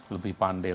lebih pandai lagi